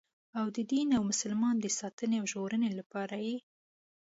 او د دین او مسلمان د ساتنې او ژغورنې لپاره یې.